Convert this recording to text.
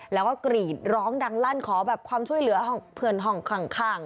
แล้วก็กรีดร้องดังลั่นขอแบบความช่วยเหลือห้องเพื่อนห้องข้าง